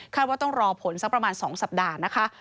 ว่าต้องรอผลสักประมาณ๒สัปดาห์นะคะ